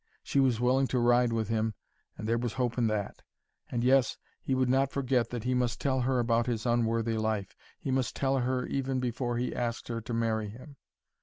She was willing to ride with him, and there was hope in that. And, yes, he would not forget that he must tell her about his unworthy life he must tell her even before he asked her to marry him.